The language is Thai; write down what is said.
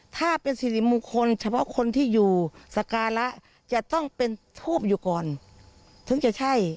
ถ้าเป็นสิริมงคลเฉพาะคนที่อยู่สการะจะต้องเป็นทูบอยู่ก่อนถึงจะใช่